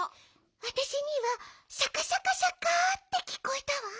わたしにはシャカシャカシャカってきこえたわ。